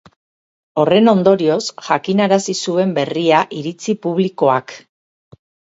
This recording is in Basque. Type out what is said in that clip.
Horren ondorioz jakinarazi zuen berria iritzi publikoak.